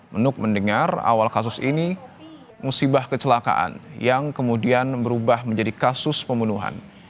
menuk mendengar awal kasus ini musibah kecelakaan yang kemudian berubah menjadi kasus pembunuhan